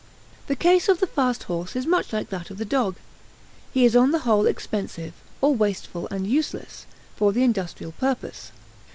The case of the fast horse is much like that of the dog. He is on the whole expensive, or wasteful and useless for the industrial purpose.